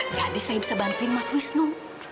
jadi saya bisa bantuin mas wisnu